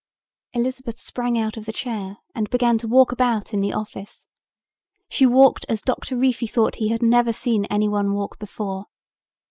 Elizabeth sprang out of the chair and began to walk about in the office. She walked as Doctor Reefy thought he had never seen anyone walk before.